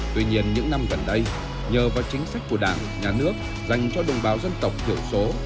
tuy nhiên những năm gần đây nhờ vào chính sách của đảng nhà nước dành cho đồng bào dân tộc thiểu số